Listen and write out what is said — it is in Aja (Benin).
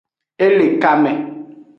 E le kame.